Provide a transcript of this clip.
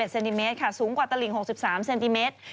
๕๑เซนติเมตรสูงกว่าตระหลิง๖๓เซนติเมตร